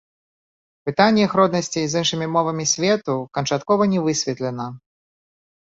Пытанне іх роднасці з іншымі мовамі свету канчаткова не высветлена.